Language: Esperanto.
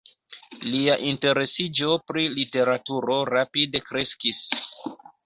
Lia interesiĝo pri literaturo rapide kreskis.